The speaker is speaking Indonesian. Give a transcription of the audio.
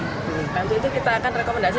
nanti itu kita akan rekomendasi